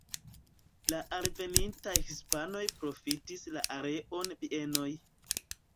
La alvenintaj hispanoj profitis la areon bienoj.